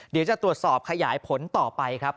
เดี๋ยวจะตรวจสอบขยายผลต่อไปครับ